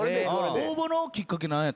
応募のきっかけ何？